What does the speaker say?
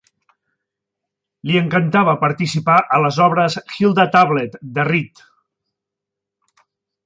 Li encantava participar a les obres "Hilda Tablet" de Reed.